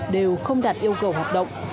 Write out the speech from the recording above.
đều không đạt yêu cầu hoạt động